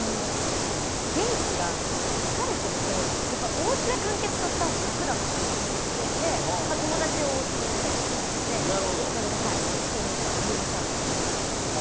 元気が、ちょっと疲れているとおうちで完結させたほうが楽だなってことに気づいて友達をおうちに呼んだりとかしてそれで、一緒にビールサーバーで飲んで。